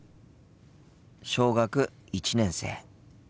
小学１年生。